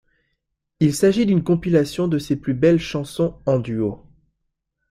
Il s’agit d’une compilation de ses plus belles chansons, en duo.